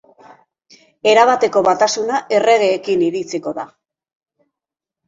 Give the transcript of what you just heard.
Erabateko batasuna erregeekin iritsiko da.